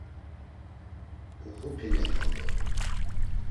“Uxup̌iney mondo!”